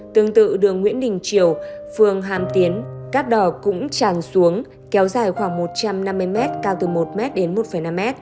tương tự đường nguyễn đình triều phường hàm tiến cát đỏ cũng tràn xuống kéo dài khoảng một trăm năm mươi m cao từ một m đến một năm m